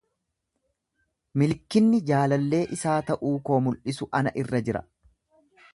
milikkinni jaalallee isaa ta'uu koo mul'isuu ana irra jira.